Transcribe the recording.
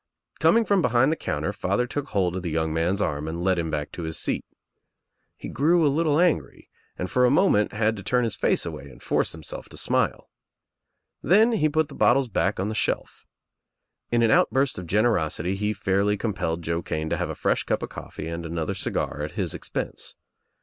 Coming from behind the counter father took hold of the young man's arm and led him back to his seat. He grew a little angry and for a moment had to turn his face away and force him self to smile. Then he put the bottles back on the shelf. In an outburst of generosity he fairly compelled Joe Kane to have a fresh cup of coffee and another cigar at his expense.